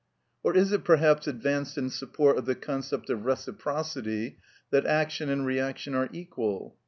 Or is it perhaps advanced in support of the conception of reciprocity that action and reaction are equal?